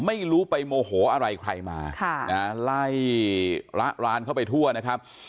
ไม่รู้ไปโมโหอะไรใครมาไล่ละร้านเข้าไปทั่วนะครับ